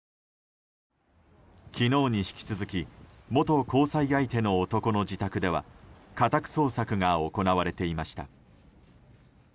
昨日に引き続き元交際相手の男の自宅では家宅捜索が行われていました。